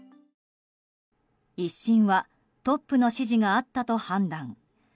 １審はトップの指示があったと判断。